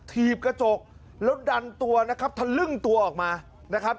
ถีบกระจกแล้วดันตัวนะครับทะลึ่งตัวออกมานะครับ